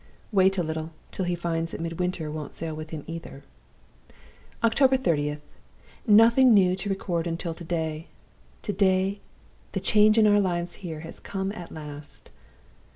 Wait a little, till he finds that Midwinter won't sail with him either!.... "October 30th. Nothing new to record until to day. To day the change in our lives here has come at last!